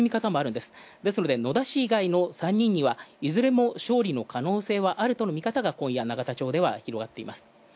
ですので野田氏以外の３人はいずれも勝利の可能性があるというのが永田町で広がっています。